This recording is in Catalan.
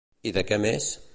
I de què més?